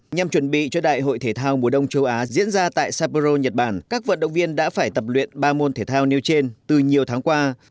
nhằm chuẩn bị cho đại hội thể thao mùa đông châu á diễn ra tại sapero nhật bản các vận động viên đã phải tập luyện ba môn thể thao nêu trên từ nhiều tháng qua